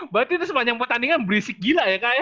berarti itu sepanjang pertandingan berisik gila ya kak ya